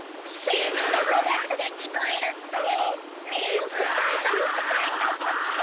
よく耐えたよく耐えたっス師匠！